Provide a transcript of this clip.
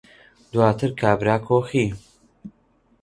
دواتر کابرا کۆخی